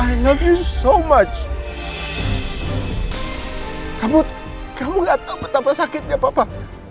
i love you so much kamu kamu gak tahu betapa sakitnya papa